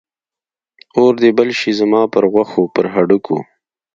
اور دې بل شي زما پر غوښو، پر هډوکو